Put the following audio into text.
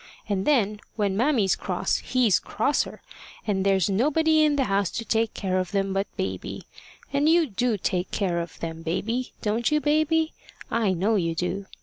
and then when mammy's cross, he's crosser, and there's nobody in the house to take care of them but baby; and you do take care of them, baby don't you, baby? I know you do.